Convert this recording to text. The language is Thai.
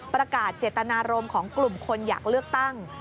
ประกาศเจตนารมณ์ของกลุ่มคนอยากเลือกตั้ง